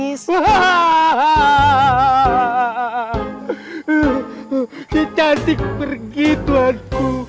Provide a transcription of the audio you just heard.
amah tidak apa apa tuanku